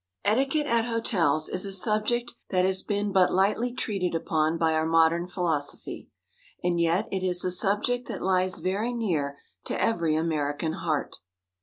Etiquette at hotels is a subject that has been but lightly treated upon by our modern philosophy, and yet it is a subject that lies very near to every American heart.